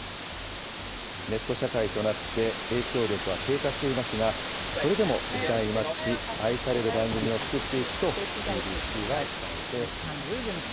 ネット社会となって影響力は低下していますが、それでも時代にマッチし、愛される番組を作っていくとＢＢＣは伝えています。